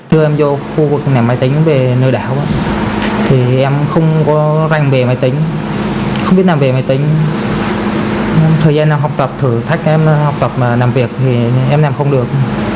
thì em không có rành về máy tính không biết làm về máy tính thời gian học tập thử thách em học tập làm việc thì em làm không được